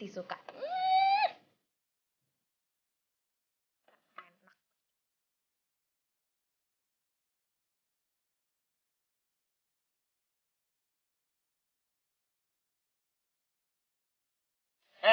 kita agak penat aja